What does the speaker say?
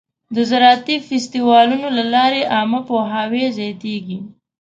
د زراعتي فستیوالونو له لارې عامه پوهاوی زیاتېږي.